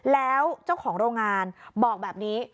แล้วเจ้าของโรงงานบอกแบบนี้